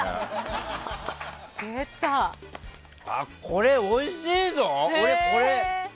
これ、おいしいぞ！